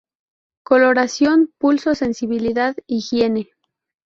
Coloración, pulsos, sensibilidad, higiene.